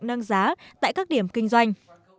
nâng giá tại các điểm kinh doanh